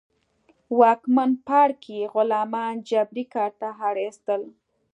واکمن پاړکي غلامان جبري کار ته اړ اېستل.